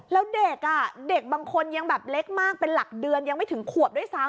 แล้วเด็กอ่ะเด็กบางคนยังแบบเล็กมากเป็นหลักเดือนยังไม่ถึงขวบด้วยซ้ำ